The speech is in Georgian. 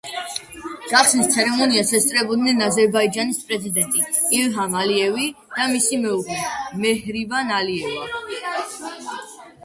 გახსნის ცერემონიას ესწრებოდნენ აზერბაიჯანის პრეზიდენტი ილჰამ ალიევი და მისი მეუღლე მეჰრიბან ალიევა.